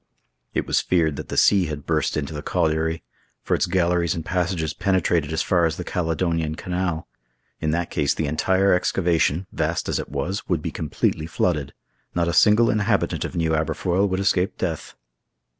It was feared that the sea had burst into the colliery, for its galleries and passages penetrated as far as the Caledonian Canal. In that case the entire excavation, vast as it was, would be completely flooded. Not a single inhabitant of New Aberfoyle would escape death.